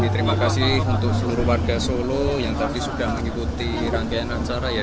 terima kasih untuk seluruh warga solo yang tadi sudah mengikuti rangkaian acara ya